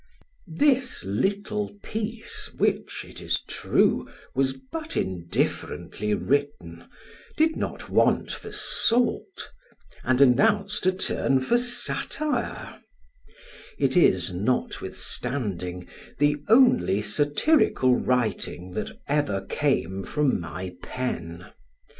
This little piece, which, it is true, was but indifferently written; did not want for salt, and announced a turn for satire; it is, notwithstanding, the only satirical writing that ever came from my pen.